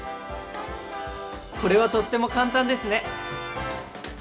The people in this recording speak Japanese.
これはとっても簡単ですね！